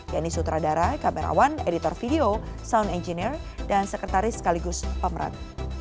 yaitu sutradara kamerawan editor video sound engineer dan sekretaris sekaligus pemeran